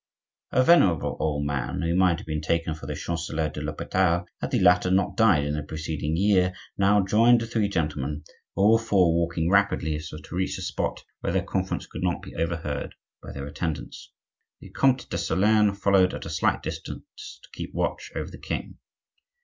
A venerable old man, who might have been taken for the Chancelier de l'Hopital, had the latter not died in the preceding year, now joined the three gentlemen, all four walking rapidly so as to reach a spot where their conference could not be overheard by their attendants. The Comte de Solern followed at a slight distance to keep watch over the king.